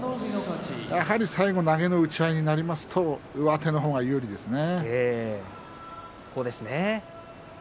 やはり最後、投げの打ち合いになりますと上手の方が有利ですね。